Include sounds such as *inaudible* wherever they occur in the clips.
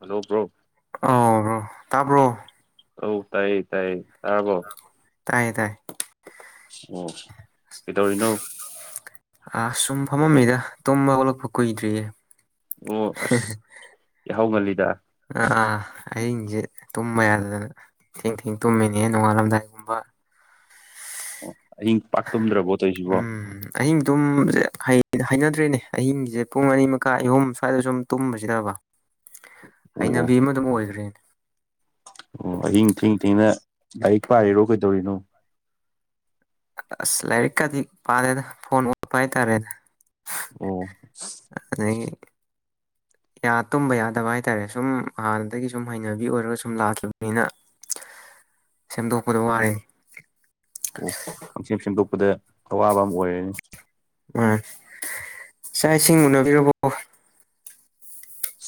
Hello ꯭ꯔꯣ ꯑꯥꯎꯕ꯭ꯔꯣ ꯇꯥꯕ꯭ꯔꯣ ꯑꯧ ꯇꯥꯏꯌꯦ ꯇꯥꯏꯌꯦ ꯇꯥꯕꯣ ꯇꯥꯏꯌꯦ ꯇꯥꯏꯌꯦ ꯑꯣ ꯀꯩꯗꯧꯔꯤꯅꯣ ꯑ ꯁꯨꯝ ꯐꯝꯃꯝꯃꯤꯗ ꯇꯨꯝꯕ ꯍꯧꯒꯠꯂꯛꯄ ꯀꯨꯏꯗ꯭ꯔꯤꯌꯦ ꯑꯣ ꯑꯁ ꯌꯥꯍꯧ ꯉꯜꯂꯤꯗ ꯑꯥ ꯑꯥ ꯑꯍꯤꯡꯁꯦ ꯇꯨꯝꯕ ꯌꯥꯗꯗꯅ ꯊꯦꯡ ꯊꯦꯡ ꯇꯨꯝꯃꯤꯅꯦ ꯅꯣꯡꯉꯥꯜꯂꯝꯗꯥꯏ ꯑꯣ ꯑꯍꯤꯡ ꯄꯥꯛꯇꯨꯝꯗ꯭ꯔꯕꯣ ꯇꯧꯁꯤꯕꯣ ꯎꯝ ꯑꯍꯤꯡ ꯇꯨꯝꯕꯁꯦ ꯍꯩꯅꯗ꯭ꯔꯦꯅꯦ ꯑꯍꯤꯡꯒꯤꯁꯦ ꯄꯨꯡ ꯑꯅꯤ ꯃꯈꯥ ꯑꯍꯨꯝ ꯁ꯭ꯋꯥꯏꯗ ꯁꯨꯝ ꯇꯨꯝꯕꯁꯤꯗꯕ ꯑꯣ ꯍꯩꯅꯕꯤ ꯑꯃ ꯑꯗꯨꯝ ꯑꯣꯏꯈ꯭ꯔꯦꯅꯦ ꯑꯣ ꯑꯍꯤꯡ ꯊꯦꯡ ꯊꯦꯡꯅ ꯂꯥꯏꯔꯤꯛ ꯄꯥꯔꯤꯔꯣ ꯀꯩꯗꯧꯔꯤꯅꯣ ꯑꯁ ꯂꯥꯏꯔꯤꯛꯀꯗꯤ ꯄꯥꯗꯦꯅ ꯐꯣꯟ ꯑꯣꯠꯄ ꯍꯥꯏꯇꯥꯔꯦꯅꯦ ꯑꯣ *unintelligible* ꯑꯗꯒꯤ ꯀꯌꯥ ꯇꯨꯝꯕ ꯌꯥꯗꯕ ꯍꯥꯏꯇꯥꯔꯦ ꯁꯨꯝ ꯍꯥꯟꯅꯗꯒꯤ ꯁꯨꯝ ꯍꯩꯅꯕꯤ ꯑꯣꯏꯔꯒ ꯁꯨꯝ ꯂꯥꯛꯈꯤꯕꯅꯤꯅ ꯁꯦꯝꯗꯣꯛꯄꯗ ꯋꯥꯔꯦ ꯑꯣ ꯈꯪ ꯁꯦꯝ ꯁꯦꯝꯗꯣꯛꯄꯗ ꯑꯋꯥꯕ ꯑꯃꯥ ꯑꯣꯏꯔꯅꯤ *unintelligible* ꯆꯥꯛ ꯏꯁꯤꯡ ꯎꯅꯕꯤꯔꯕꯣ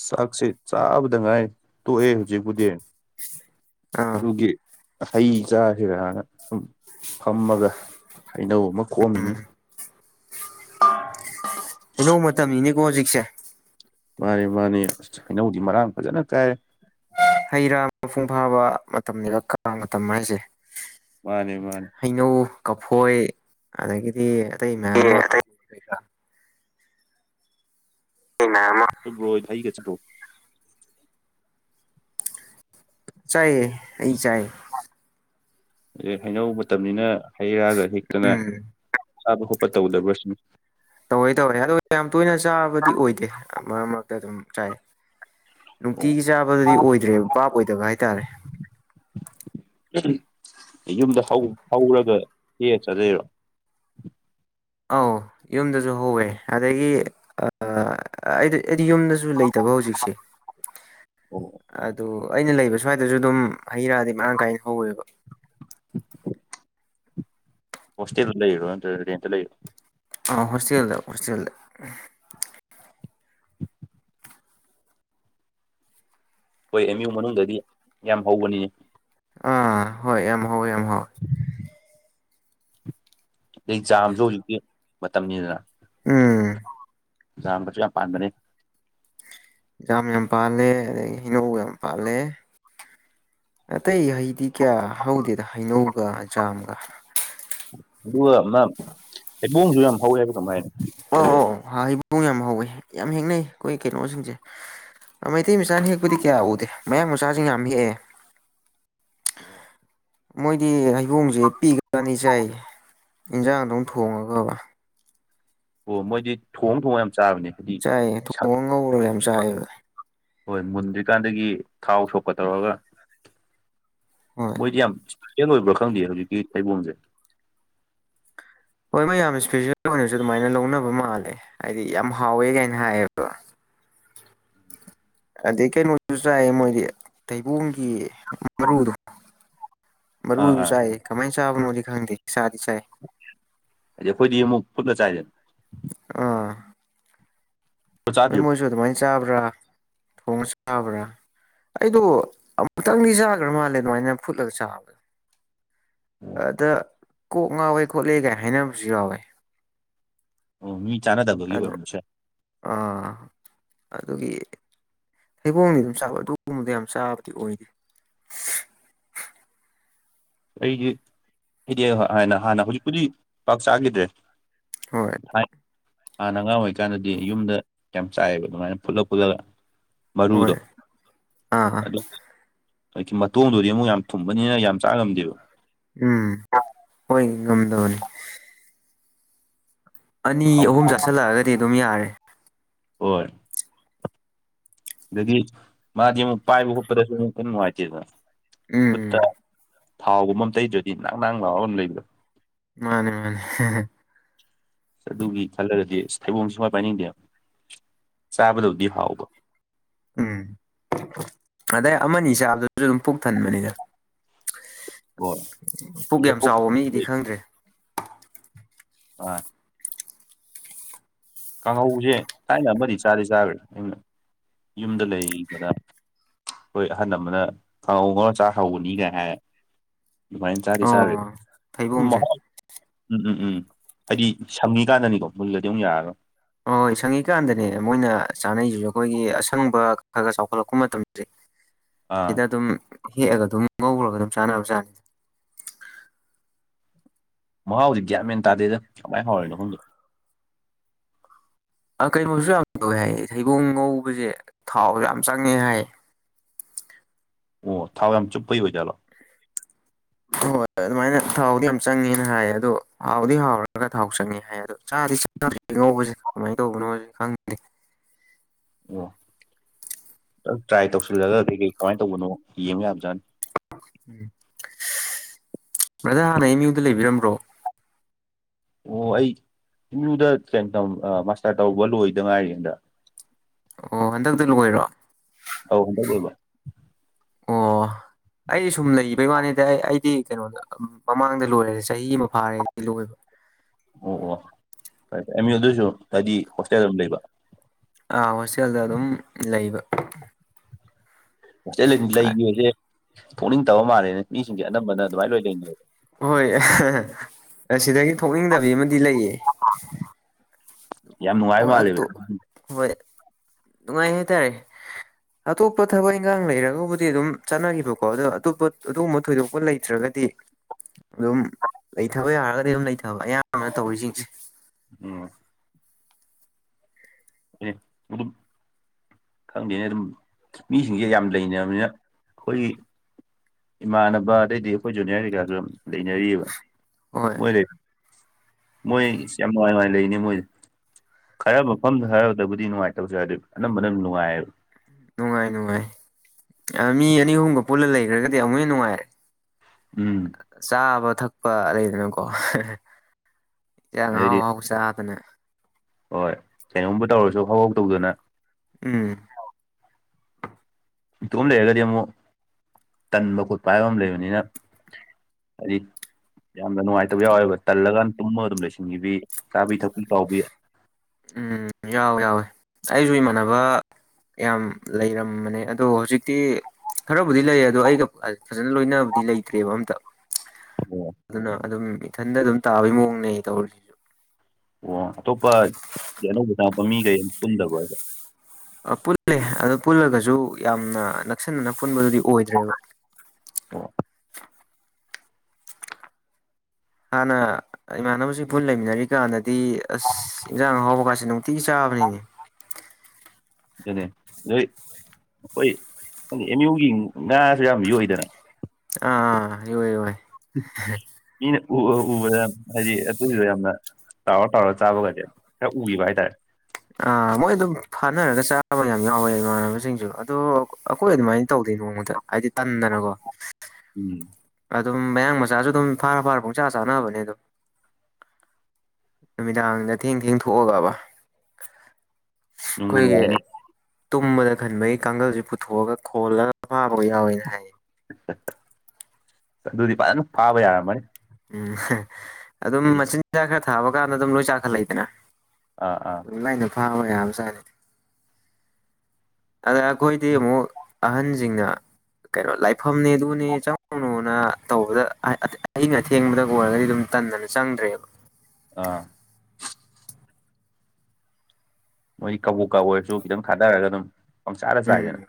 ꯆꯥꯛꯁꯦ ꯆꯥꯕꯗ ꯉꯥꯏꯔꯤ ꯇꯣꯛꯑꯦ ꯍꯧꯖꯤꯛꯄꯨꯗꯤ ꯑꯥ ꯑꯗꯨꯒꯤ ꯍꯩ ꯆꯥꯁꯤꯔꯅ ꯁꯨꯝ ꯐꯝꯃꯒ ꯍꯩꯅꯧ ꯑꯃ ꯈꯣꯛꯑꯝꯃꯤꯅꯤ ꯀꯩꯅꯧ ꯃꯇꯝꯅꯤꯅꯦꯀꯣ ꯍꯧꯖꯤꯛꯁꯦ ꯃꯥꯅꯤ ꯃꯥꯅꯤ ꯑꯁ ꯍꯩꯅꯧꯗꯤ ꯃꯔꯥꯡ ꯐꯖꯅ ꯀꯥꯏꯔꯦ ꯍꯩ ꯔꯥ ꯃꯄꯨꯡ ꯐꯥꯕ ꯃꯇꯝꯅꯦꯕ ꯀꯥꯡ ꯃꯇꯝ ꯍꯥꯏꯖꯦ ꯃꯥꯅꯦ ꯃꯥꯅꯦ ꯍꯩꯅꯧ ꯀꯐꯣꯏ ꯑꯗꯒꯤꯗꯤ ꯑꯇꯩ ꯃꯌꯥꯝꯃ ꯑꯪꯒꯨꯔ ꯀꯔꯤ ꯀꯔꯥ ꯑꯩꯈꯣꯏ ꯃꯌꯥꯝꯃ ꯅꯣꯏ ꯕ꯭ꯔꯣ ꯍꯣꯏ *unintelligible* ꯆꯠꯄ꯭ꯔꯣ ꯆꯥꯏꯌꯦ ꯍꯩ ꯆꯥꯏꯌꯦ ꯍꯩꯅꯧ ꯃꯇꯝꯅꯤꯅ ꯍꯩ ꯔꯥꯒ ꯍꯦꯛꯇꯅ ꯎꯝ *inaudible* ꯇꯧꯗꯕꯔꯁꯤꯅꯤ ꯇꯧꯋꯦ ꯇꯧꯋꯦ ꯑꯗꯣ ꯌꯥꯝ ꯇꯣꯏꯅ ꯆꯥꯕꯗꯤ ꯑꯣꯏꯗꯦ ꯃꯔꯛ ꯃꯔꯛꯇ ꯑꯗꯨꯝ ꯆꯥꯏ ꯑꯣ ꯅꯨꯡꯇꯤꯒꯤ ꯆꯥꯕꯗꯨꯗꯤ ꯑꯣꯏꯗ꯭ꯔꯦꯕ ꯚꯥꯞ ꯑꯣꯏꯗꯕ ꯍꯥꯏꯇꯥꯔꯦ *unintelligible* ꯌꯨꯝꯗ ꯍꯧ ꯍꯧꯔꯒ ꯍꯦꯛꯑ ꯆꯥꯅꯩꯔꯣ ꯑꯧ ꯌꯨꯝꯗꯁꯨ ꯍꯧꯑꯦ ꯑꯗꯒꯤ *inaudible* ꯑꯩꯗꯤ ꯑꯩꯗꯤ ꯌꯨꯝꯗꯁꯨ *unintelligible* ꯂꯩꯇꯕ ꯍꯧꯖꯤꯛꯁꯦ ꯑꯣ ꯑꯗꯨ ꯑꯩꯅ ꯂꯩꯕ ꯁ꯭ꯋꯥꯏꯗꯁꯨ ꯑꯗꯨꯝ ꯍꯩ ꯔꯥꯗꯤ ꯃꯔꯥꯡ ꯀꯥꯏꯅ ꯍꯧꯋꯦꯕ ꯍꯣꯁꯇꯦꯜꯗ ꯂꯩꯔꯤꯔꯣ ꯅꯠꯇꯔꯒ ꯔꯦꯟꯠꯇ ꯂꯩꯔꯤꯔꯣ ꯑ ꯍꯣꯁꯇꯦꯜꯗ ꯍꯣꯁꯇꯦꯜꯗ ꯍꯣꯏ ꯑꯦꯝ ꯌꯨ ꯃꯅꯨꯡꯗꯗꯤ ꯌꯥꯝ ꯍꯧꯕꯅꯤꯅꯦ ꯑ ꯍꯣꯏ ꯌꯥꯝ ꯍꯥꯎꯋꯦ ꯌꯥꯝ ꯍꯥꯎꯋꯦ ꯑ ꯆꯥꯃꯁꯨ ꯍꯧꯖꯤꯛꯀꯤ ꯃꯇꯝꯅꯤꯗꯅ ꯎꯝ ꯆꯍꯥꯟꯕꯁꯨ ꯌꯥꯝ ꯄꯥꯟꯕꯅꯦ ꯖꯥꯝ ꯌꯥꯝ ꯄꯥꯜꯂꯦ ꯑꯗꯒꯤ ꯍꯤꯅꯧ ꯌꯥꯝ ꯄꯥꯜꯂꯦ ꯑꯇꯩ ꯍꯩꯗꯤ ꯀꯌꯥ ꯍꯧꯗꯦꯗ ꯍꯩꯅꯧꯒ ꯖꯥꯝꯒ ꯑꯗꯨꯒ ꯑꯃ ꯑ ꯍꯕꯣꯡꯁꯨ ꯌꯥꯝ ꯍꯧꯋꯦꯕ ꯀꯃꯥꯏꯅ ꯑꯧ ꯑꯣꯧ ꯑ ꯍꯩꯕꯨꯡ ꯌꯥꯝ ꯍꯧꯋꯦ ꯌꯥꯝ ꯊꯦꯡꯅꯩ ꯑꯩꯈꯣꯏ ꯀꯩꯅꯣꯁꯤꯡꯁꯦ ꯃꯩꯇꯩ ꯃꯆꯥꯅ ꯍꯦꯛꯄꯗꯤ ꯀꯌꯥ ꯎꯗꯦ ꯃꯌꯥꯡ ꯃꯆꯥꯁꯤꯡꯅ ꯌꯥꯝꯅ ꯍꯦꯛꯑꯦ *unintelligible* ꯃꯣꯏꯗꯤ ꯍꯩꯕꯣꯡꯁꯦ ꯄꯤꯀꯥꯟꯅꯤ ꯆꯥꯏꯖꯦ ꯏꯟꯖꯥꯡꯗꯧ ꯊꯣꯡꯉꯒꯕ ꯑꯣ ꯃꯣꯏꯗꯤ ꯊꯣꯡ ꯊꯣꯡꯉ ꯌꯥꯝ ꯆꯥꯕꯅꯦ ꯍꯥꯏꯗꯤ ꯆꯥꯏꯌꯦ ꯁꯛ ꯊꯣꯡꯑꯒ ꯉꯧꯔꯒ ꯌꯥꯝ ꯆꯥꯏꯌꯦꯕ ꯍꯣꯏ ꯃꯨꯟꯗ꯭ꯔꯤꯀꯥꯟꯗꯒꯤ ꯊꯥꯎ ꯁꯣꯛꯀ ꯇꯧꯔꯒ ꯍꯣꯏ ꯃꯣꯏꯗꯤ ꯌꯥꯝ *unintelligible* ꯑꯣꯏꯕ꯭ꯔꯥ ꯈꯪꯗꯦ ꯍꯧꯖꯤꯛꯀꯤ ꯊꯩꯕꯣꯡꯁꯦ ꯍꯣꯏ ꯃꯥ ꯌꯥꯝ ꯏꯁꯄꯤꯁꯤꯌꯦꯜ ꯑꯣꯏꯅꯁꯨ ꯑꯗꯨꯃꯥꯏꯅ ꯂꯧꯅꯕ ꯃꯥꯜꯂꯦ ꯍꯥꯏꯗꯤ ꯌꯥꯝ ꯍꯥꯎꯋꯦ ꯒꯥꯏꯅ ꯍꯥꯏꯌꯦꯕ ꯑꯗꯩ ꯀꯩꯅꯣꯁꯨ ꯆꯥꯏꯌꯦ ꯃꯣꯏꯗꯤ ꯇꯩꯕꯣꯡꯒꯤ ꯃꯔꯨꯗꯣ ꯑꯥ ꯃꯔꯨꯗꯨ ꯑꯥ ꯆꯥꯏ ꯀꯃꯥꯏꯅ ꯆꯥꯕꯅꯣꯗꯤ ꯈꯪꯗꯦ ꯆꯥꯗꯤ ꯆꯥꯏ ꯍꯥꯏꯗꯤ ꯑꯩꯈꯣꯏꯗꯤ ꯑꯃꯨꯛ ꯐꯠꯅ ꯆꯥꯏꯗꯅ ꯑꯥ ꯐꯨꯠ ꯍꯣꯏ ꯆꯥꯗ꯭ꯔꯤꯕꯣ ꯃꯣꯏꯁꯨ ꯑꯗꯨꯃꯥꯏꯅ ꯆꯥꯕ꯭ꯔꯥ ꯊꯣꯡꯉ ꯆꯥꯕ꯭ꯔꯥ ꯑꯩꯗꯣ ꯑꯃꯨꯛꯇꯪꯗꯤ ꯆꯥꯈ꯭ꯔꯕ ꯃꯥꯜꯂꯦ ꯑꯗꯨꯃꯥꯏꯅ ꯐꯨꯠꯂꯒ ꯆꯥꯕꯗ ꯑꯗ ꯀꯣꯛ ꯉꯥꯎꯋꯦ ꯈꯣꯠꯂꯦ ꯒꯥꯏ ꯍꯥꯏꯅꯕꯁꯨ ꯌꯥꯎꯋꯦ ꯑꯣ ꯃꯤ ꯆꯥꯟꯅꯗꯕꯒꯤ ꯑꯣꯏ ꯑꯗꯣ ꯑꯃꯨꯛꯁꯦ ꯑꯗꯨꯒꯤ ꯍꯩꯕꯣꯡ ꯌꯣꯡꯆꯥꯛ ꯑꯗꯨꯒꯨꯕꯗꯤ ꯌꯥꯝ ꯆꯥꯕꯗꯤ ꯑꯣꯏꯗꯦ ꯨꯑꯩꯒꯤ ꯑꯩꯗꯤ ꯍꯥꯏꯅ ꯍꯥꯟꯅ ꯍꯨꯖꯤꯛꯄꯨꯗꯤ ꯄꯥꯛ ꯆꯥꯒꯤꯗ꯭ꯔꯦ ꯍꯣꯏ ꯊꯥꯏꯅ ꯍꯥꯟꯅ ꯑꯉꯥꯡ ꯑꯣꯏꯔꯤꯀꯥꯟꯗꯗꯤ ꯌꯨꯝꯗ ꯌꯥꯝ ꯆꯥꯏꯑꯕ ꯑꯗꯨꯃꯥꯏꯅ ꯐꯨꯠꯂꯛ ꯄꯨꯨꯠꯂꯒ ꯍꯣꯏ ꯃꯔꯨꯗꯣ ꯑꯥ ꯑꯗꯨ ꯃꯇꯣꯡꯗꯨꯗꯤ ꯑꯃꯨꯛ ꯌꯥꯝ ꯊꯨꯝꯕꯅꯤꯅ ꯌꯥꯝ ꯆꯥ ꯉꯝꯗꯦꯕ ꯎꯝ ꯍꯣꯏ ꯉꯝꯗꯕꯅꯤ ꯑꯅꯤ ꯍꯥꯎꯗꯤ ꯑꯍꯨꯝ ꯆꯥꯁꯤꯜꯂꯛꯑꯒꯗꯤ ꯑꯗꯨꯝ ꯌꯥꯔꯦ ꯍꯣꯏ ꯑꯗꯒꯤ ꯃꯥꯗꯤ ꯑꯃꯨꯛ ꯄꯥꯏꯕ ꯈꯣꯠꯄꯗꯁꯨ ꯑꯗꯨꯝ ꯅꯨꯡꯉꯥꯏꯇꯦꯗꯅ ꯈꯨꯠꯇ ꯎꯝ ꯊꯥꯎꯒꯨꯝꯕꯃ ꯇꯩꯗ꯭ꯔꯗꯤ ꯅꯥꯡ ꯅꯥꯡ ꯂꯥꯎꯔ ꯑꯗꯨꯝ ꯂꯩꯕꯗꯣ ꯃꯥꯅꯦ ꯃꯥꯅꯦ ꯑꯗꯨꯒꯤ ꯈꯜꯂꯒꯗꯤ ꯑꯁ ꯊꯩꯕꯣꯡꯁꯦ ꯁꯨꯛꯄꯥꯏ ꯄꯥꯏꯅꯤꯡꯗꯦꯕ ꯆꯥꯕꯗꯕꯨꯗꯤ ꯍꯥꯎꯕ ꯎꯝ ꯑꯗꯩ ꯑꯃꯅꯤ ꯆꯥꯕꯗꯁꯨ ꯑꯗꯨꯝ ꯄꯨꯛ ꯊꯟꯕꯅꯤꯗ ꯄꯨꯛ ꯌꯥꯝ ꯆꯥꯎꯕ ꯃꯤꯒꯤꯗꯤ ꯍ ꯈꯪꯗ꯭ꯔꯦ *unintelligible* ꯀꯥꯡꯍꯧꯖ ꯊꯥꯏꯅ ꯑꯃꯗꯤ ꯆꯥꯗꯤ ꯆꯥꯈ꯭ꯔꯦ ꯑꯩꯅ ꯌꯨꯝꯗ ꯂꯩꯕꯗ ꯍꯣꯏ ꯑꯍꯜ ꯑꯃꯅ ꯀꯥꯡꯉꯧ ꯉꯧꯔ ꯆꯥ ꯍꯧꯕꯅꯤ ꯒꯥꯏ ꯍꯥꯏ ꯑꯗꯨꯃꯥꯏꯅ ꯆꯥꯗꯤ ꯆꯥꯔꯤ ꯑꯣ *unintelligible* ꯎꯝ ꯊꯩꯕꯣꯡꯁꯦ ꯎꯝ ꯎꯝ ꯍꯥꯏꯗꯤ ꯁꯡꯉꯤꯀꯥꯟꯅꯤꯀꯣ ꯃꯗꯨꯗꯗꯤ ꯑꯃꯨꯛ ꯌꯥꯔꯔꯣꯏ ꯍꯣꯏ ꯍꯣꯏ ꯁꯪꯉꯤꯀꯥꯟꯗꯅꯦ ꯃꯣꯏꯅ ꯆꯥꯅꯩꯖꯦ ꯑꯩꯈꯣꯏꯒꯤ ꯑꯁꯪꯕ ꯈꯔ ꯈꯔ ꯆꯥꯎꯈꯠꯂꯛꯄ ꯃꯇꯝ *unintelligible* ꯑꯥ ꯁꯤꯗ ꯑꯗꯨꯝ ꯍꯦꯛꯑꯒ ꯑꯗꯨꯝ ꯉꯧꯔꯒ ꯑꯗꯨꯝ ꯆꯥꯟꯅꯕꯖꯥꯠꯅꯤ ꯃꯍꯥꯎꯖꯦ ꯒ꯭ꯌꯥꯟꯃꯦꯟ ꯇꯥꯗꯦꯗ ꯀꯃꯥꯏ ꯍꯥꯎꯔꯤꯅꯣ ꯈꯪꯗꯦ ꯑ ꯀꯩꯅꯣꯁꯨ ꯌꯥꯝ ꯇꯧꯋꯦ ꯍꯥꯏꯌꯦ ꯊꯩꯕꯣꯡ ꯉꯧꯕꯁꯦ ꯊꯥꯎ ꯌꯥꯝ ꯆꯪꯉꯦ ꯍꯥꯏꯌꯦ ꯑꯣ ꯊꯥꯎ ꯌꯥꯝ ꯆꯨꯞꯄꯩ ꯑꯣꯏꯖꯥꯠꯂꯣ *unintelligible* ꯑꯩꯅ ꯊꯥꯎꯗꯤ ꯌꯥꯝ ꯆꯪꯉꯦꯅ ꯍꯥꯏꯌꯦ ꯑꯗꯣ ꯍꯥꯎꯗꯤ ꯍꯥꯎꯔꯒ ꯊꯥꯎ ꯆꯪꯉꯦ ꯍꯥꯏ ꯑꯗꯣ ꯆꯗꯤ ꯆ ꯉꯧꯕꯁꯦ ꯀꯃꯥꯏꯅ ꯇꯧꯕꯅꯣ ꯈꯪꯗꯦ ꯑꯣ ꯗꯛ ꯇ꯭ꯔꯥꯏ ꯇꯧꯁꯤꯜꯂꯒ ꯀꯩ ꯀꯩ ꯀꯃꯥꯏ ꯇꯧꯕꯅꯣ ꯌꯦꯡꯕ ꯌꯥꯕꯖꯥꯠꯅꯤ ꯕꯥꯔꯗꯔꯍꯥꯟꯅ ꯑꯦꯝ ꯌꯨꯗ ꯂꯩꯕꯤꯔꯝꯕ꯭ꯔꯣ ꯑꯣ ꯑꯩ ꯑꯦꯝ ꯌꯨ ꯗ ꯇ꯭ꯔꯦꯟ ꯇꯧ ꯑ ꯃꯥꯁꯇꯔ ꯇꯧꯕ ꯂꯣꯏꯗ ꯉꯥꯏꯔꯤ ꯍꯟꯗꯛ ꯑꯣ ꯍꯟꯗꯛꯇ ꯂꯣꯏꯔꯣ ꯑꯧꯕꯕ *unintelligible* ꯑꯩꯗꯤ ꯁꯨꯝ ꯂꯩꯕꯩ ꯋꯥꯅꯤꯗꯤ ꯑꯩꯗꯤ ꯀꯩꯅꯣꯗ ꯃꯃꯥꯡꯗ ꯂꯣꯏꯔꯦ ꯆꯍꯤ ꯑꯃ ꯐꯥꯔꯦꯗ ꯂꯣꯏꯕ ꯑꯣ ꯑꯣ ꯐꯔꯦ ꯐꯔꯦ ꯑꯩ ꯑꯗꯨꯏꯁꯨ ꯍꯥꯏꯗꯤ ꯍꯣꯁꯇꯦꯜ ꯑꯃ ꯂꯩꯕ ꯑ ꯍꯣꯁꯇꯦꯜꯗ ꯑꯗꯨꯝ ꯂꯩꯕ ꯍꯣꯁꯇꯦꯜ ꯂꯩꯈꯤꯕꯁꯦ ꯊꯣꯛꯅꯤꯡꯇꯕ ꯃꯥꯜꯂꯦꯅꯦ ꯃꯤꯁꯤꯡꯁꯦ ꯑꯅꯝꯕꯅ ꯑꯗꯨꯃꯥꯏꯅ ꯂꯣꯏ ꯂꯩꯅꯩꯌꯦꯕ ꯍꯣꯏ ꯑꯁꯤꯗꯒꯤ ꯊꯣꯛꯅꯤꯡꯗꯕꯤ ꯑꯃꯗꯤ ꯂꯩꯌꯦ ꯌꯥꯝ ꯅꯨꯡꯉꯥꯏꯕ ꯍꯣꯏ ꯃꯥꯜꯂꯦꯕ ꯑꯗꯣ ꯍꯣꯏ ꯅꯨꯡꯉꯥꯏ ꯍꯥꯏ ꯇꯥꯔꯦ ꯑꯇꯣꯞꯄ ꯊꯕꯛ ꯏꯪꯒꯥꯡ ꯂꯩꯔꯒꯕꯨꯗꯤ ꯑꯗꯨꯝ ꯆꯠꯅꯒꯤꯕꯀꯣ ꯑꯗꯣ ꯑꯇꯣꯞꯄ ꯑꯥꯥꯥꯗꯨꯒꯨꯝꯕ ꯊꯣꯏꯗꯣꯛꯄ ꯂꯩꯇ꯭ꯔꯒ ꯗꯤ ꯑꯗꯨꯝ ꯂꯩꯊꯕ ꯌꯥꯔꯒꯗꯤ ꯑꯗꯨꯝ ꯂꯩꯊꯕ ꯑꯌꯥꯝꯕꯅ ꯇꯧꯔꯤꯁꯤꯡꯁꯦ ꯎꯝ꯫ *unintelligible* ꯈꯪꯗꯦꯅꯦ ꯑꯗꯨꯝ ꯃꯤꯖꯤꯡꯖꯦ ꯌꯥꯝ ꯂꯩꯅꯕꯅꯤꯅ ꯑꯩꯈꯣꯏꯒꯤ ꯏꯃꯥꯟꯅꯕ ꯑꯗꯩꯗꯤ ꯑꯩꯈꯣꯏ ꯖꯨꯅꯤꯌꯔ ꯀꯩꯀꯥꯁꯨ ꯑꯗꯨꯝ ꯂꯩꯅꯔꯤꯑ ꯍꯣꯏ ꯃꯣꯏ ꯂꯩ ꯃꯣꯏ ꯌꯥꯝ ꯅꯨꯡꯉꯥꯏ ꯅꯨꯡꯉꯥꯏ ꯂꯩꯔꯤꯅꯦ ꯃꯣꯏꯗ꯫ ꯈꯔ ꯃꯐꯝꯗ ꯍꯥꯏꯔꯗꯕꯨꯗꯤ ꯅꯨꯡꯉꯥꯏꯇꯕꯖꯨ ꯌꯥꯏ ꯑꯗꯩ ꯑꯅꯝꯕꯅꯝ ꯅꯨꯡꯉꯥꯏꯌꯦꯕ ꯅꯨꯡꯉꯥꯏ ꯅꯨꯡꯉꯥꯏ ꯑꯥ ꯃꯤ ꯑꯅꯤ ꯑꯍꯨꯝꯒ ꯄꯨꯜꯂ ꯂꯩꯒ꯭ꯔꯥꯒꯗꯤ ꯑꯃꯨꯛ ꯍꯦꯟꯅ ꯅꯨꯡꯉꯥꯏꯔꯦ ꯎꯝ꯫ ꯆꯥꯕ ꯊꯛꯄ ꯂꯩꯗꯅꯀꯣ ꯍꯦꯟꯖꯥꯡ ꯑꯍꯥꯎ ꯑꯗꯩꯗꯤ ꯑꯍꯥꯎ ꯆꯥꯗꯅ ꯍꯣꯏ ꯀꯩꯅꯣꯝꯕꯨ ꯇꯧꯔꯁꯨ ꯐꯍꯧ ꯇꯧꯗꯅ ꯎꯝ ꯏꯇꯣꯞ ꯂꯩꯔꯒꯗꯤ ꯑꯃꯨꯛ ꯇꯟꯕ ꯈꯣꯠꯄ ꯍꯥꯏꯕ ꯑꯃ ꯂꯩꯕꯅꯤꯅ ꯑꯔꯤ ꯌꯥꯝꯅ ꯅꯨꯡꯉꯥꯏꯇꯕ ꯌꯥꯎꯋꯦꯕ ꯇꯜꯂꯀꯥꯟ ꯇꯨꯝꯃꯒ ꯑꯗꯨꯝ ꯂꯩꯁꯤꯟꯕꯤꯕꯤ ꯆꯥꯕꯤ ꯊꯛꯄꯤ ꯀꯥꯎꯕꯤ ꯎꯝ ꯌꯥꯎꯋꯦ ꯌꯥꯎꯋꯦ ꯑꯩꯖꯨ ꯏꯃꯥꯟꯅꯕ ꯌꯥꯝ ꯂꯩꯔꯝꯕꯅꯦ ꯑꯗꯣ ꯍꯧꯖꯤꯛꯇꯤ ꯈꯔꯕꯨꯗꯤ ꯂꯩ ꯑꯗꯣ ꯑꯩꯒ ꯐꯖꯅ ꯂꯣꯏꯅꯕꯗꯤ ꯂꯩꯇ꯭ꯔꯦꯕ ꯑꯝꯇ ꯑꯣ ꯑꯗꯨꯅ ꯑꯗꯨꯝ ꯏꯊꯟꯇ ꯑꯗꯨꯝ ꯇꯥꯕꯩ ꯃꯑꯣꯡꯅꯦ ꯑꯩ ꯇꯧꯔꯤꯁꯦ ꯑꯣ ꯑꯇꯣꯞꯄ ꯑꯅꯧꯕ ꯆꯪꯉꯛꯄ ꯃꯤꯒꯩ ꯑꯝ ꯄꯨꯟꯗꯕ꯭ꯔꯣ ꯍꯥꯏꯖꯦ ꯄꯨꯜꯂꯦ ꯑꯗꯣ ꯄꯨꯜꯂꯒꯁꯨ ꯌꯥꯝꯅ ꯅꯛꯁꯤꯟꯅꯅ ꯄꯨꯟꯕꯗꯨꯗꯤ ꯑꯣꯏꯗ꯭ꯔꯦꯕ ꯑꯣ ꯍꯥꯟꯅ ꯏꯃꯥꯟꯅꯕꯁꯤꯡ ꯄꯨꯟꯅ ꯂꯩꯃꯤꯟꯅꯔꯤ ꯀꯥꯟꯗꯗꯤ ꯏꯟꯖꯥꯡ ꯍꯥꯎꯕꯀꯁꯤ ꯅꯨꯡ ꯆꯥꯕꯅꯤꯅꯦ ꯑꯗꯨꯅꯦ ꯅꯣꯏ ꯑꯩꯈꯣꯏ ꯑꯦꯝ ꯌꯨꯒꯤ ꯉꯥꯁꯨ ꯌꯥꯝꯅ ꯌꯣꯏꯗꯅ ꯑꯥ ꯏ ꯏꯥꯏ ꯃꯤꯅ ꯎꯕꯗ ꯍꯥꯏꯗꯤ ꯑꯗꯨꯗ ꯌꯥꯝꯅ ꯇꯥꯎꯔ ꯇꯥꯎꯔ ꯆꯥꯕꯒꯖꯦ ꯈꯔ ꯎꯒꯤꯕ ꯍꯥꯏꯇꯥꯔꯦ ꯑꯥ ꯃꯣꯏ ꯑꯗꯨꯝ ꯐꯥꯅꯔꯒ ꯆꯥꯕ ꯌꯥꯝ ꯌꯥꯎꯋꯦ ꯏꯃꯥꯟꯅꯕꯁꯤꯡꯁꯨ ꯑꯗꯣ ꯑꯩꯈꯣꯏ ꯑꯗꯨꯃꯥꯏꯅ ꯇꯧꯗꯦ ꯅꯣꯡꯃꯗ ꯑꯩꯗꯤ ꯇꯟꯗꯅꯒꯣ ꯎꯝ ꯑꯗꯨꯝ ꯃꯌꯥꯡ ꯃꯆꯥꯖꯨ ꯑꯗꯨꯝ ꯐꯥꯔ ꯐꯥꯔ ꯄꯨꯡꯆꯥ ꯆꯥꯅꯕꯅꯦ ꯑꯗꯨꯝ ꯅꯨꯃꯤꯗꯥꯡꯗ ꯊꯦꯡ ꯊꯦꯡ ꯊꯣꯛꯣꯛꯑꯒꯕ ꯅꯨꯡꯕꯨ ꯑꯩꯈꯣꯏꯒꯤ ꯅꯨꯡꯉꯥꯏꯅꯤ ꯇꯨꯝꯕꯗ ꯈꯟꯕꯒꯤ ꯀꯥꯡꯒꯜꯁꯤ ꯄꯨꯊꯣꯛꯑꯒ ꯈꯣꯜꯂꯒ ꯐꯥꯕ ꯌꯥꯎꯋꯦꯅ ꯍꯥꯏꯌꯦ ꯑꯗꯨꯗꯨꯗꯤ ꯄꯅ ꯐꯥꯕ ꯌꯥꯔ ꯃꯣꯏ ꯎꯝ ꯍꯥ ꯑꯗꯨꯝ ꯃꯆꯤꯟꯖꯥꯛ ꯈꯔ ꯊꯥꯕ ꯀꯥꯟꯗ ꯑꯗꯨꯝ ꯂꯣꯏ ꯆꯥꯈꯠꯂꯛꯏꯗꯅ ꯑꯥ ꯑꯥ ꯑꯗꯨꯝ ꯂꯥꯏꯅ ꯐꯥꯕ ꯌꯥꯝ ꯆꯥꯅꯦ ꯑꯗ ꯑꯩꯈꯣꯏꯗꯤ ꯑꯃꯨꯛ ꯑꯍꯟꯖꯤꯡꯅ ꯀꯩꯅꯣ ꯂꯥꯏꯐꯝꯅꯦ ꯑꯗꯨꯅꯦ ꯆꯪꯉꯨꯅꯣꯅ ꯇꯧꯕꯗ ꯑꯥꯏ ꯑꯇꯩ ꯑꯩꯅ ꯊꯦꯡꯕꯗꯒ ꯑꯣꯏꯔꯒꯗꯤ ꯑꯗꯨꯝ ꯇꯟꯗꯅ ꯆꯪꯗ꯭ꯔꯦꯕ ꯑꯥ ꯃꯣꯏꯗꯤ ꯀꯕꯨꯛꯀ ꯑꯣꯏꯔꯁꯨ ꯈꯤꯇꯪ ꯊꯥꯗꯔꯒ ꯑꯗꯨꯝ ꯄꯪꯆꯥꯗ ꯎꯝ ꯆꯥꯏꯗꯅ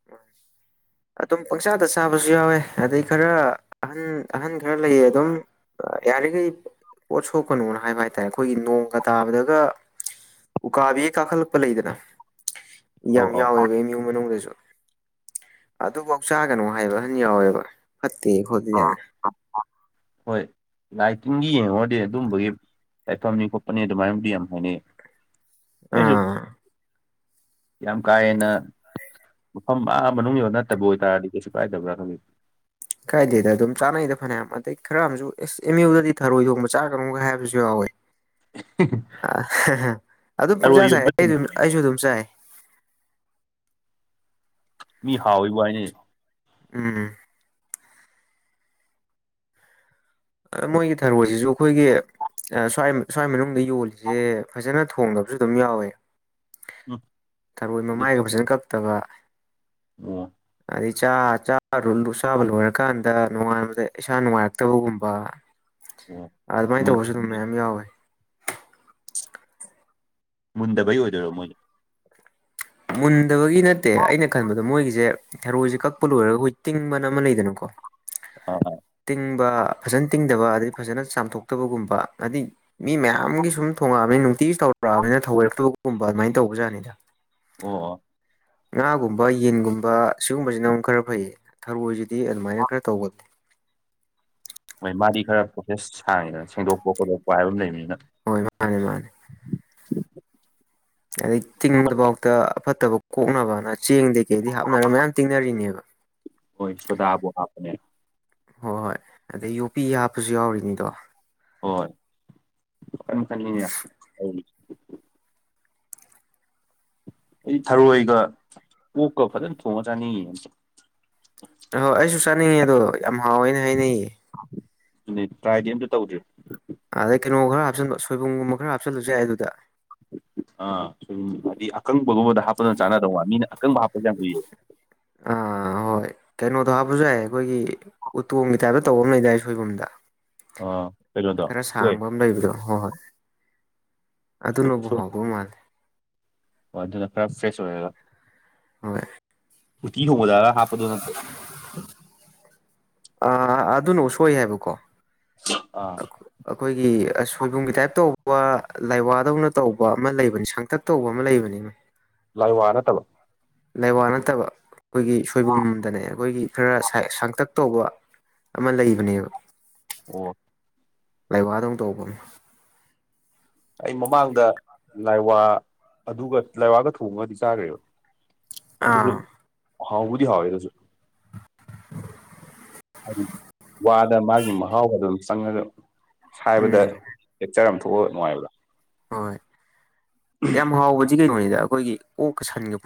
*inaudible* ꯑꯗꯨꯝ ꯄꯪꯆꯥꯥꯗ ꯆꯥꯕꯁꯨ ꯌꯥꯎꯋꯦ ꯑꯗꯩ ꯈꯔ ꯑꯍꯟ ꯑꯍꯟ ꯈꯔ ꯂꯩꯌꯦ ꯑꯗꯨꯝ ꯌꯥꯔꯤꯒꯩ ꯄꯣꯠ ꯁꯣꯛ ꯀꯅꯣꯅ ꯍꯥꯏꯕ ꯍꯥꯏꯇꯥꯔꯦ ꯑꯩꯈꯣꯏꯒꯤ ꯅꯣꯡꯒ ꯇꯥꯕꯗꯒ ꯎꯀꯥꯕꯤꯒ ꯀꯥꯈꯠꯂꯛꯄ ꯂꯩꯗꯅ ꯑꯧ ꯌꯥꯝ ꯑꯧ ꯌꯥꯎꯋꯦꯕ ꯑꯦꯝꯌꯨ ꯃꯅꯨꯡꯗꯖꯨ ꯑꯗꯨꯕꯧ ꯆꯥꯒꯅꯨ ꯍꯥꯏꯕ ꯑꯍꯟ ꯌꯥꯎꯋꯦꯕ ꯐꯠꯇꯦ *unintelligible* *unintelligible* ꯍꯣꯏ ꯂꯥꯏ ꯇꯤꯟꯒꯤ ꯌꯦꯡꯉꯨꯔꯗꯤ ꯑꯗꯨꯝꯕꯒꯤ ꯂꯥꯏꯐꯝꯅꯤ ꯈꯣꯠꯄꯅꯤ ꯑꯗꯨ ꯃꯥꯏꯅꯕꯨꯗꯤ ꯌꯥꯝ ꯍꯥꯏꯅꯩ ꯑꯩꯁꯨ ꯑꯥ ꯌꯥꯝ ꯀꯥꯥ ꯍꯦꯟꯅ ꯃꯐꯝ ꯑꯥ ꯃꯅꯨꯡ ꯌꯧ ꯅꯠꯇꯕ ꯑꯣꯏꯇꯥꯔꯗꯤ ꯀꯩꯁꯨ ꯀꯥꯏꯗꯕ꯭ꯔꯥ ꯈꯟꯂꯤ ꯀꯥꯏꯗꯦꯗ ꯑꯗꯨꯝ ꯆꯥꯅꯩꯗ ꯐꯅꯌꯥꯝ ꯑꯗꯩ ꯈꯔ ꯑꯝꯖꯨ ꯑꯦꯁ ꯑꯦꯝ ꯌꯨꯗꯗꯤ ꯊꯔꯣꯏ ꯊꯣꯡꯕ ꯆꯥꯒꯅꯨꯒ ꯍꯥꯏꯕꯁꯨ ꯌꯥꯎꯋꯦ ꯑꯗꯨꯝ ꯊꯔꯣꯏ ꯄꯪꯆꯥꯥ ꯆꯥꯏ ꯌꯣꯟꯕ ꯑꯩꯗꯨꯝ ꯑꯩꯁꯨ ꯑꯗꯨꯝ ꯆꯥꯏ ꯃꯤ ꯍꯥꯎꯋꯦꯕꯨ ꯍꯥꯏꯅꯩꯅꯦ ꯎꯝ ꯑ ꯃꯣꯏꯒꯤ ꯊꯔꯣꯏꯖꯤꯖꯨ ꯑꯩꯈꯣꯏꯒꯤ ꯁ꯭ꯋꯥꯏ ꯁ꯭ꯋꯥꯏ ꯃꯅꯨꯡꯗ ꯌꯣꯜꯂꯤꯖꯦ ꯐꯖꯅ ꯊꯣꯡꯗꯕ ꯨ ꯑꯗꯨꯝ ꯌꯥꯎꯋꯦ ꯎꯝ ꯊꯔꯣꯏ ꯑꯗꯨꯗꯤ ꯃꯃꯥꯏꯒ ꯐꯖꯅ ꯀꯛꯇꯕ ꯑꯣ ꯑꯗꯩ ꯆꯥ ꯆꯥ ꯆꯥꯕ ꯂꯣꯏꯔꯀꯥꯟꯗ ꯅꯣꯡꯉꯥꯟꯕꯗ ꯏꯁꯥ ꯅꯨꯡꯉꯥꯏꯔꯛꯇꯕꯒꯨꯝꯕ ꯑꯣ ꯑꯗꯨꯃꯥꯏꯅ ꯇꯧꯕꯁꯨ ꯃꯨꯟꯗꯕꯤꯗ ꯑꯗꯨꯝ ꯃꯌꯥꯝ ꯌꯥꯎꯋꯦ ꯃꯨꯟꯗꯕꯩ ꯑꯣꯏꯗꯣꯏꯔꯣ ꯃꯣꯏꯖꯦ ꯃꯨꯟꯗꯕꯒꯤ ꯅꯠꯇꯦ ꯑꯩꯅ ꯈꯟꯕꯗ ꯃꯣꯏꯒꯤꯖꯦ ꯊꯔꯣꯏꯖꯦ ꯀꯛꯄ ꯂꯣꯏꯔꯒ ꯑꯩꯈꯣꯏ ꯇꯤꯡꯕꯅ ꯑꯃ ꯂꯩꯗꯅꯀꯣ *unintelligible* ꯇꯤꯡꯕ ꯐꯖꯅ ꯇꯤꯡꯗꯕ ꯑꯗꯩ ꯐꯖꯅ ꯆꯥꯝꯊꯣꯛꯇꯕꯒꯨꯝꯕ ꯅꯥꯗꯤ ꯃꯤ ꯃꯌꯥꯝꯒꯤ ꯁꯨꯝ ꯊꯣꯉꯛꯑꯕꯅꯤ ꯅꯨꯡꯇꯤꯒꯤꯁꯨ ꯇꯧꯔꯛꯑꯕꯅꯤꯅ ꯊꯑꯣꯏꯔꯛꯇꯕꯒꯨꯝꯕ ꯑꯗꯨꯃꯥꯏꯟ ꯇꯧꯕꯖꯥꯠꯅꯤꯗ ꯑꯣ ꯑꯣ ꯉꯥꯒꯨꯝꯕ ꯌꯦꯟꯒꯨꯝꯕ ꯁꯤꯒꯨꯝꯕꯖꯤꯅ ꯑꯃꯨꯛ ꯈꯔ ꯐꯩꯌꯦ ꯊꯔꯣꯏꯖꯤꯗꯤ ꯑꯗꯨꯃꯥꯏꯅ ꯈꯔ ꯇꯧꯒꯟꯂꯤ ꯍꯣꯏ ꯃꯥꯗꯤ ꯈꯔ ꯄ꯭ꯔꯣꯁꯦꯁ ꯁꯥꯡꯉꯦꯗꯅ ꯁꯦꯡꯗꯣꯛꯄ ꯈꯣꯠꯇꯣꯛꯄ ꯍꯥꯏꯕ ꯑꯃ ꯂꯩꯕꯅꯤꯅ ꯍꯣꯏ ꯃꯥꯅꯦ ꯃꯥꯅꯦ ꯑꯗꯩ ꯇꯤꯡꯕꯗꯕꯥꯎꯇ ꯑꯐꯠꯇꯕ ꯀꯣꯛꯅꯕꯅ ꯆꯦꯡꯗꯩ ꯀꯩꯗꯩ ꯍꯥꯞꯅꯔꯒ ꯃꯌꯥꯝ ꯇꯤꯡꯅꯔꯤꯅꯦꯕ ꯍꯣꯏ ꯁꯣꯗꯥꯕꯨ ꯍꯥꯞꯄꯅꯦ ꯍꯣꯏ ꯍꯣꯏ ꯑꯗꯩ ꯌꯣꯄꯤ ꯍꯥꯞꯄꯖꯨ ꯌꯥꯎꯔꯤꯅꯤꯗꯣ ꯍꯣꯏ ꯃꯈꯜ ꯃꯈꯜꯅꯤꯅꯦ *unintelligible* ꯑꯩꯗꯤ ꯊꯔꯣꯏꯒ ꯑꯣꯛꯀ ꯐꯖꯅ ꯊꯣꯡꯉ ꯆꯥꯅꯤꯡꯉꯤꯌꯦ ꯑꯍꯣꯏ ꯑꯩꯁꯨ ꯆꯥꯅꯤꯡꯉꯦ ꯑꯗꯣ ꯌꯥꯝ ꯍꯥꯎꯋꯦꯅ ꯍꯥꯏꯅꯩꯌꯦ ꯑꯗꯨꯅꯦ ꯇ꯭ꯔꯥꯏꯗꯤ ꯑꯝꯇ ꯇꯧꯗ꯭ꯔꯤ ꯑꯗꯩ ꯀꯩꯅꯣ ꯈꯔ ꯍꯥꯞꯆꯟꯕ ꯁꯣꯏꯕꯨꯝꯒꯨꯝꯕ ꯈꯔ ꯍꯥꯞꯆꯜꯂꯖꯨ ꯌꯥꯏ ꯑꯗꯨꯗ ꯑ ꯁꯣꯏꯕꯨꯝ ꯍꯥꯏꯗꯤ ꯑꯀꯪꯕꯒꯨꯝꯕꯗ ꯍꯥꯞꯄꯅ ꯆꯥꯟꯅꯗꯧ ꯃꯥꯜꯂꯤ ꯃꯤꯅ ꯑꯀꯪꯕ ꯍꯥꯞꯄꯖꯦ ꯌꯥꯝ ꯎꯨꯏꯌꯦ ꯑꯥ ꯍꯣꯏ ꯀꯩꯅꯣꯗꯣ ꯍꯥꯞꯄꯖꯨ ꯌꯥꯏ ꯑꯩꯈꯣꯏꯒꯤ ꯎꯇꯣꯡꯒꯤ ꯇꯥꯏꯞꯇ ꯇꯧꯕ ꯑꯝ ꯂꯩꯗꯥꯏ ꯁꯣꯏꯕꯨꯝꯗ ꯑꯥ ꯀꯩꯅꯣꯗꯣ ꯈꯔ ꯎꯁꯣꯏ ꯁꯥꯡꯕ ꯑꯝ ꯂꯩꯕꯗꯣ ꯍꯣ ꯍꯣꯏ ꯎꯁꯣꯏ ꯑꯗꯨꯅꯕꯨ ꯍꯥꯎꯗꯧ ꯃꯥꯜꯂꯦ ꯑꯣ ꯑꯗꯨꯅ ꯈꯔ ꯐ꯭ꯔꯦꯁ ꯑꯣꯏꯔꯒ ꯍꯣꯏ ꯎꯇꯤ ꯊꯣꯡꯕꯗꯒ ꯍꯥꯞꯄꯗꯣ ꯅꯠꯇꯣ ꯑ ꯑꯗꯨꯅ ꯁꯣꯏ ꯍꯥꯏꯕꯀꯣ ꯑꯥ ꯑꯈꯣꯏꯒꯤ ꯑꯁ ꯁꯣꯏꯕꯨꯝꯒꯤ ꯇꯥꯏꯞ ꯇꯧꯕ ꯂꯥꯏꯋꯥꯗꯧꯅ ꯇꯧꯕ ꯑꯃ ꯂꯩꯕꯅꯤ ꯁꯥꯡꯇꯛ ꯇꯧꯕ ꯑꯃ ꯂꯩꯕꯅꯤꯅꯦ꯫ ꯂꯥꯏ ꯋꯥꯅꯠꯇꯂꯣ ꯂꯩꯋꯥ ꯅꯠꯇꯕ ꯑꯩꯈꯣꯏꯒꯤ ꯁꯣꯏꯕꯨꯝꯗꯅꯦ ꯑꯩꯈꯣꯏꯒꯤ ꯈꯔ ꯁꯥꯡꯇꯛ ꯇꯧꯕ ꯑꯃ ꯂꯩꯕꯅꯦꯕ ꯑꯣ ꯂꯩꯋꯥꯗꯧ ꯇꯧꯕ ꯑꯃ ꯑꯩ ꯃꯃꯥꯡꯗ ꯂꯥꯏꯋꯥ ꯑꯗꯨꯒ ꯂꯥꯏꯋꯥꯒ ꯊꯣꯡꯉꯗꯤ ꯆꯥꯈ꯭ꯔꯦꯕ ꯑꯗꯨꯁꯨ ꯑꯥ ꯍꯥꯎꯕꯨꯗꯤ ꯍꯥꯎꯌꯦ ꯑꯗꯨꯁꯨ ꯍꯥꯏꯗꯤ ꯋꯥꯗ ꯃꯥꯒꯤ ꯃꯍꯥꯎꯗ ꯑꯗꯨꯝ ꯆꯪꯉꯒ ꯍꯥꯏꯕꯗ ꯎꯝ ꯍꯦꯛꯆꯔꯝ ꯊꯣꯛꯑ ꯅꯨꯡꯉꯥꯏꯕ꯭ꯔꯥ ꯍꯣꯏ ꯌꯥꯝ ꯍꯥꯎꯕꯗꯤ ꯀꯩꯅꯩꯅꯣꯅꯤꯗ ꯑꯩꯈꯣꯏꯒꯤ ꯑꯣꯛꯀ ꯁꯟꯒ ꯄꯨꯅ